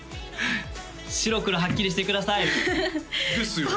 白黒はっきりしてください！ですよね